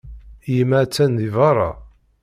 Yemma attan deg beṛṛa.